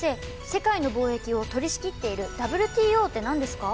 世界の貿易を取りしきっているＷＴＯって何ですか？